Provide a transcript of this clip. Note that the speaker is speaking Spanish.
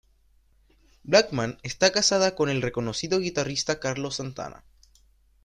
Blackman está casada con el reconocido guitarrista Carlos Santana.